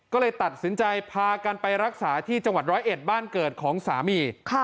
ก็เลยตัดสินใจพากันไปรักษาที่จังหวัดร้อยเอ็ดบ้านเกิดของสามี